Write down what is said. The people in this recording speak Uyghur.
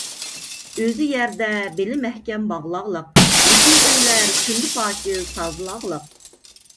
ئۆزى يەردە بېلى مەھكەم باغلاغلىق، لېكىن ئۆيلەر كۈندە پاكىز تازىلاقلىق.